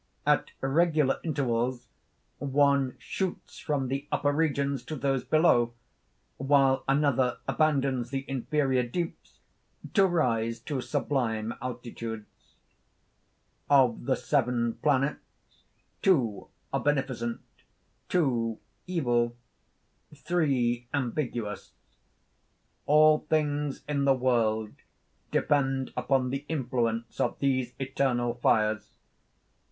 At regular intervals one shoots from the upper regions to those below; while another abandons the inferior deeps to rise to sublime altitudes ... "Of the seven planets, two are beneficent; two evil; three ambiguous: all things in the world depend upon the influence of these eternal fires.